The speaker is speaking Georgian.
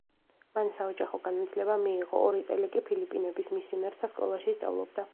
მან საოჯახო განათლება მიიღო, ორი წელი კი ფილიპინების მისიონერთა სკოლაში სწავლობდა.